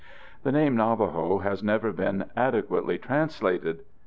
The name "Navajo" has never been adequately translated.